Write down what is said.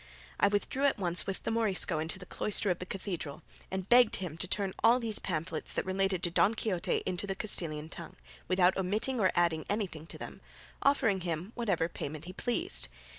I withdrew at once with the Morisco into the cloister of the cathedral, and begged him to turn all these pamphlets that related to Don Quixote into the Castilian tongue, without omitting or adding anything to them, offering him whatever payment he pleased.